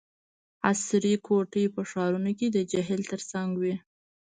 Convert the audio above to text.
عصري کوټي په ښارونو کې د جهیل ترڅنګ وي